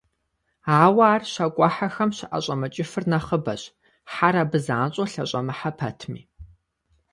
Ауэ ар щакIуэхьэхэм щаIэщIэмыкIыфыр нэхъыбэщ, хьэр абы занщIэу лъэщIэмыхьэ пэтми.